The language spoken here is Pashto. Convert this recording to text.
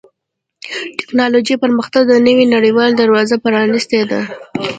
د ټکنالوجۍ پرمختګ د نوې نړۍ دروازه پرانستې ده.